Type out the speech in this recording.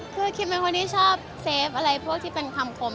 คือคิมเป็นคนที่ชอบเซฟอะไรพวกที่เป็นคำคม